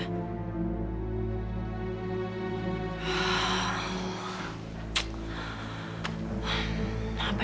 silahkan sekarang saya lambat